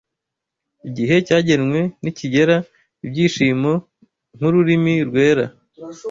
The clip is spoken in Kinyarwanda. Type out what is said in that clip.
igihe cyagenwe nikigera, Ibyishimo, nkururimi rwera